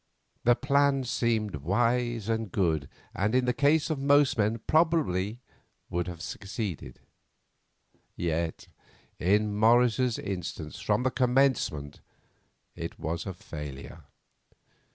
The plan seemed wise and good, and, in the case of most men, probably would have succeeded. Yet in Morris's instance from the commencement it was a failure.